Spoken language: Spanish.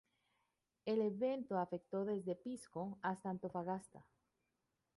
El evento afectó desde Pisco hasta Antofagasta.